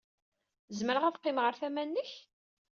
Zemreɣ ad qqimeɣ ɣer tama-nnek?